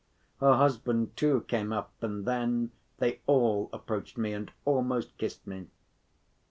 Her husband, too, came up and then they all approached me and almost kissed me.